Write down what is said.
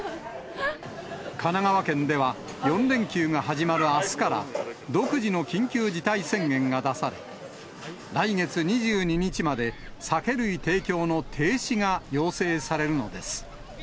神奈川県では、４連休が始まるあすから、独自の緊急事態宣言が出され、来月２２日まで酒類提供の停止が要請されるのです。